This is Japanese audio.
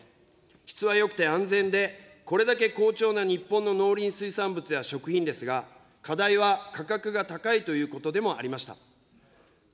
質はよくて安全で、これだけ好調な日本の農林水産物や食品ですが、課題は価格が高いということでもありました。